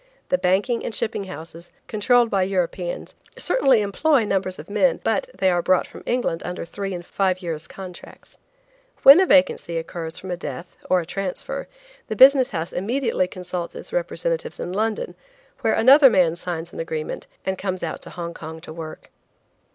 The banking and shipping houses, controlled by Europeans, certainly employ numbers of men, but they are brought from England under three and five years' contracts. When a vacancy occurs from a death, or a transfer, the business house immediately consults its representatives in London, where another man signs an agreement, and comes out to Hong Kong to work.